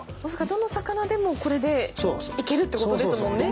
どの魚でもこれでいけるってことですもんね。